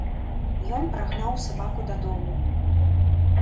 Ён прагнаў сабаку дадому.